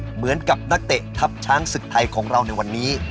เหมือนกับนักเตะทัพช้างศึกไทยของเราในวันนี้